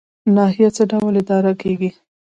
ناحیه څه ډول اداره کیږي؟